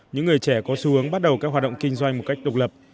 những người trẻ có xu hướng bắt đầu các hoạt động kinh doanh một cách độc lập